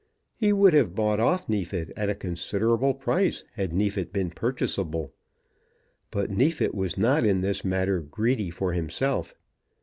He would have bought off Neefit at a considerable price, had Neefit been purchaseable. But Neefit was not in this matter greedy for himself.